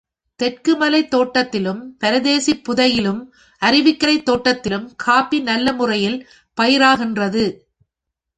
தெற்கு மலைத் தோட்டத்திலும், பரதேசிப் புதையிலும், அருவிக்கரைத் தோட்டத்திலும், காஃபி நல்லமுறையில் பயிராகின்றது.